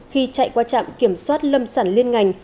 khi chạy qua trạm kiểm soát lâm sản liên ngành